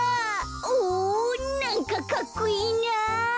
おおなんかかっこいいな！